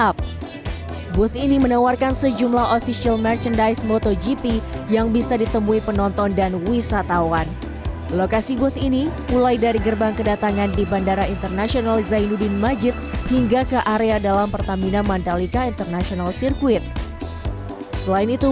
pertamina grand prix of mandalika